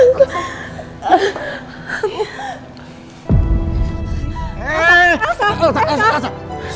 aku gak mau pisah sama nino